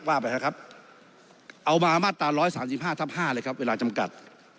ว่าไปเถอะครับเอามามาตรา๑๓๕ทับ๕เลยครับเวลาจำกัด